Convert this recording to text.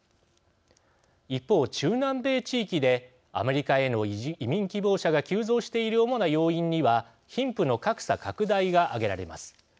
一方、中南米地域でアメリカへの移民希望者が急増している主な要因には貧富の格差拡大が挙げられます。